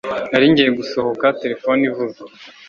Nari ngiye gusohoka telefone ivuze